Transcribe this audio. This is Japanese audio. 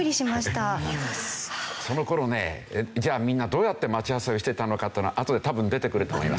その頃ねみんなどうやって待ち合わせをしてたのかというのがあとで多分出てくると思いますよ。